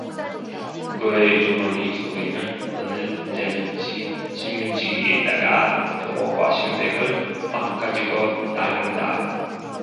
그의 주머니 속에는 어느 때든지 신문지에다가 전복과 실백을 싸 가지고 다닌다.